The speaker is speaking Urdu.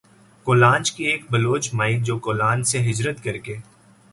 کولانچ کی ایک بلوچ مائی جو کولانچ سے ھجرت کر کے